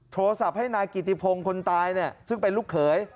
โทรศัพท์ให้นายกิติพงศ์คนตายซึ่งเป็นลูกเขย